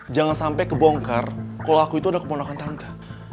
jangan sampai kebongkar kalau aku itu ada keponakan tante